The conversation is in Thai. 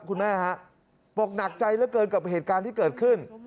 คุณแม่ฮะบอกหนักใจเหลือเกินกับเหตุการณ์ที่เกิดขึ้น